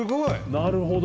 なるほど！